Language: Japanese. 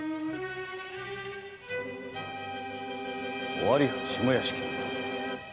尾張藩下屋敷。